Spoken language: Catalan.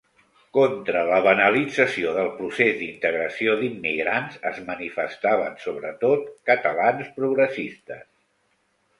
Contra la banalització del procés d'integració d'immigrants es manifestaven, sobretot, catalans progressistes.